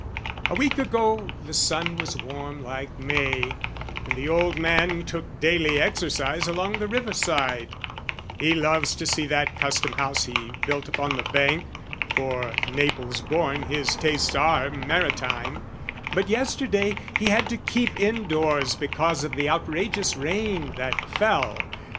"A week ago the sun was warm like May, "And the old man took daily exercise "Along the river side; he loves to see "That Custom house he built upon the bank, "For, Naples born, his tastes are maritime: "But yesterday he had to keep in doors "Because of the outrageous rain that fell.